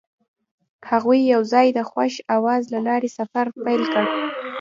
هغوی یوځای د خوښ اواز له لارې سفر پیل کړ.